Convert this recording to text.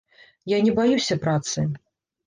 Я не баюся працы.